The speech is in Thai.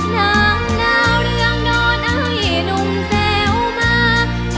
นางดาวเรืองนอนไอ้หนุ่มแซวมาก